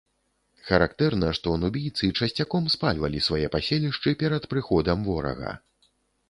Характэрна, што нубійцы часцяком спальвалі свае паселішчы перад прыходам ворага.